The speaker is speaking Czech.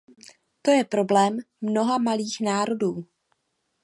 To je problém mnoha malých národů.